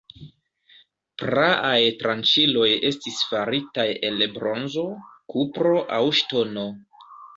Praaj tranĉiloj estis faritaj el bronzo, kupro aŭ ŝtono.